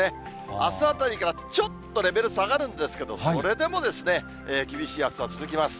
あすあたりからちょっとレベル下がるんですけれども、それでもですね、厳しい暑さは続きます。